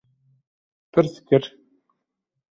Pirs kir: